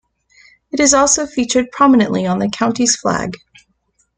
It is also featured prominently on the county's flag.